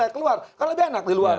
keluar kan lebih enak di luar